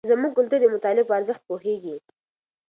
زموږ کلتور د مطالعې په ارزښت پوهیږي.